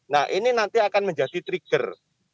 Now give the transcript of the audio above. nah ini nanti akan menjadi trigger